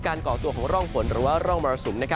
ก่อตัวของร่องฝนหรือว่าร่องมรสุม